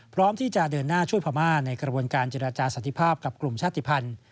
พร้อมที่จะเดินหน้าช่วยพม่าในกระบวนการเจรจาสันติภาพกับกลุ่มชาติภัณฑ์